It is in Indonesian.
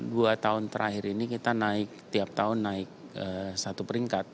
dua tahun terakhir ini kita naik tiap tahun naik satu peringkat